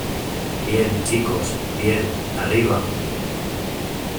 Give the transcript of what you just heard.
¡ bien, chicos , bien! ¡ arriba !